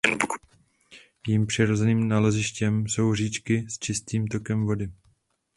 Jejím přirozeným nalezištěm jsou říčky s čistým tokem vody.